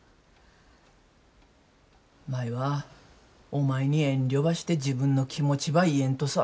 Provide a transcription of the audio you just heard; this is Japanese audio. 舞はお前に遠慮ばして自分の気持ちば言えんとさ。